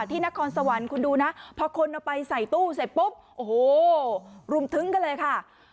นครสวรรค์คุณดูนะพอคนเอาไปใส่ตู้เสร็จปุ๊บโอ้โหรุมทึ้งกันเลยค่ะ